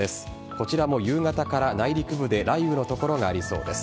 こちらも夕方から内陸部で雷雨の所がありそうです。